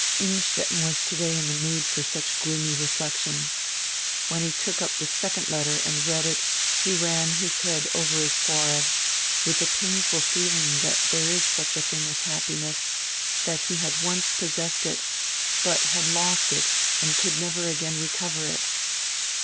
Innstetten was today in die mood for such gloomy re flections. When he took up die second letter and read it he ran his hand over his forehead, widi die painful feeling tiiat diere is such a tiling as happiness, that he had once possessed it, hut had lost it and could never again recover it.